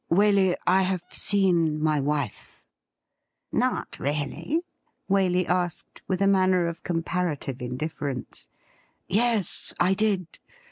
Waley, I have seen my wife !'' Not really .?' Waley asked, with a manner of comparative indifference. ' Yes, I did